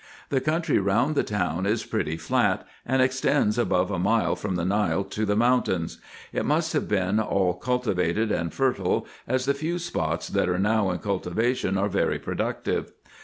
The country round the town is pretty flat, and extends above a mile from the Nile to the mountains. It must have been all cul tivated and fertile, as the few spots that are now in cultivation are very productive.